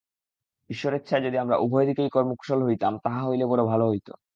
ঈশ্বরেচ্ছায় যদি আমরা উভয় দিকেই কর্মকুশল হইতাম, তাহা হইলে বড় ভাল হইত।